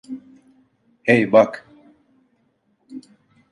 Hey, bak!